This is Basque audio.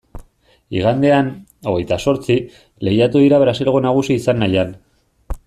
Igandean, hogeita zortzi, lehiatu dira Brasilgo nagusi izan nahian.